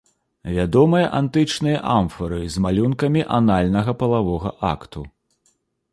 Вядомыя антычныя амфары з малюнкамі анальнага палавога акту.